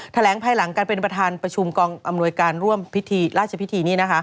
แถลงภายหลังการเป็นประธานประชุมกองอำนวยการร่วมพิธีราชพิธีนี้